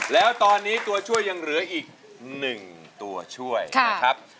แล้วตอนนี้ตัวช่วยยังเหลืออีก๑ตัวช่วยนะครับ